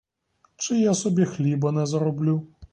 Чи я собі хліба не зароблю?